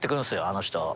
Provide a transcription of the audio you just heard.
あの人。